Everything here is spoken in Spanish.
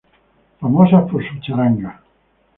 Famosas por su charanga.